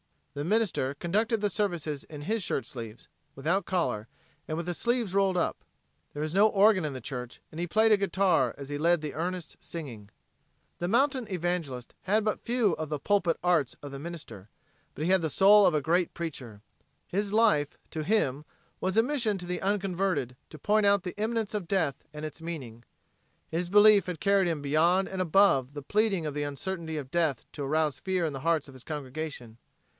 The minister conducted the services in his shirt sleeves, without collar, and with the sleeves rolled up. There is no organ in the church and he played a guitar as he led the earnest singing. The mountain evangelist had but few of the pulpit arts of the minister, but he had the soul of a great preacher. His life, to him, was a mission to the unconverted to point out the imminence of death and its meaning. His belief had carried him beyond and above the pleading of the uncertainty of death to arouse fear in the hearts of his congregation.